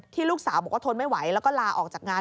ที่ลูกสาวก็ทนไม่ไหวแล้วก็ลาออกจากงาน